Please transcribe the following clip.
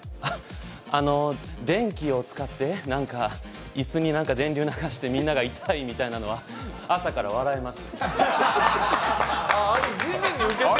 あの、電気を使って椅子になんか電流を流してみんなが痛いみたいなのは朝から笑えます。